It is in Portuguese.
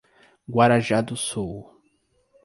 Guarujá do Sul